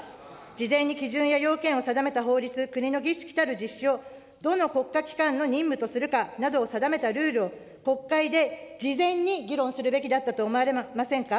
事前に基準や要件を定めた法律、国の儀式たる実施を、どの国家機関の任務とするかなどを定めたルールを、国会で事前に議論するべきだったと思われませんか。